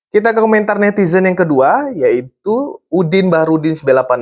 kita ke komentar netizen yang kedua yaitu udin baharudin sembilan ribu delapan ratus enam puluh